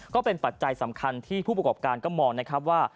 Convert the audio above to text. ปัจจัยสำคัญที่ผู้ประกอบการก็มองนะครับว่า